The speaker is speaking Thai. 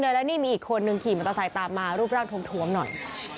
แล้วนี่มีอีกคนนึงขี่มอเตอร์ไซค์ตามมารูปร่างถวมหน่อย